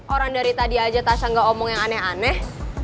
orang dari tadi aja tassa gak omong yang aneh aneh